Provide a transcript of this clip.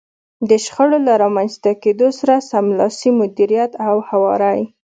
د شخړو له رامنځته کېدو سره سملاسي مديريت او هواری.